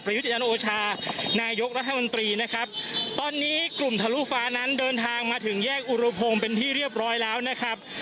ยุจันโอชานายกรัฐมนตรีนะครับตอนนี้กลุ่มทะลุฟ้านั้นเดินทางมาถึงแยกอุรพงศ์เป็นที่เรียบร้อยแล้วนะครับ